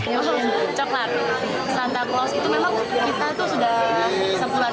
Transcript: santa claus itu memang kita tuh sudah sebulan ini tiap hari ada santa claus